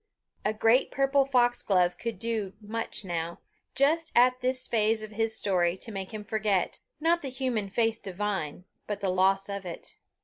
A great purple foxglove could do much now, just at this phase of his story, to make him forget not the human face divine, but the loss of it.